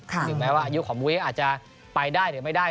คิดไหมว่ายุคนของมุ้ยอาจจะไปได้หรือไม่ได้